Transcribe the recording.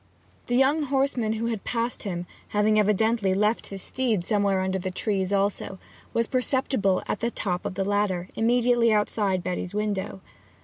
The young horseman who had passed him, having evidently left his steed somewhere under the trees also, was perceptible at the top of the ladder, immediately outside Betty's window.